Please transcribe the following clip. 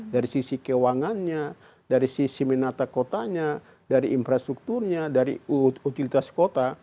dari sisi keuangannya dari sisi menata kotanya dari infrastrukturnya dari utilitas kota